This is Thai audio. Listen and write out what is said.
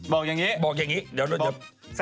บอกอย่างนี้บอกอย่างนี้เดี๋ยว